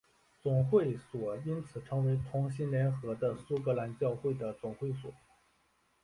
总会所因此成为重新联合的苏格兰教会的总会所。